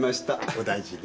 お大事に。